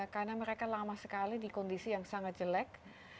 karena mereka lama sekali di kondisi yang sangat jelek